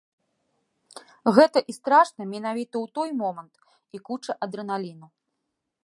Гэта і страшна менавіта ў той момант, і куча адрэналіну.